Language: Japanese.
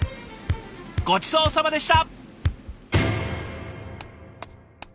ごちそうさまでした！